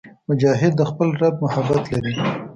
مجاهد د خپل رب محبت لري.